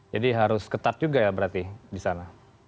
jadi harus ketat juga ya berarti di sana